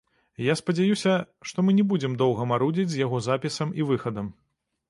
Я спадзяюся, што мы не будзем доўга марудзіць з яго запісам і выхадам.